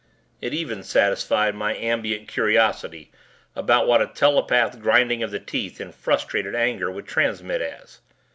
It even satisfied my ambient curiosity about what a telepathed grinding of the teeth in frustrated anger would transmit as.